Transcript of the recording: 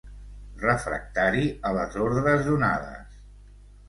Refractari a les ordres donades.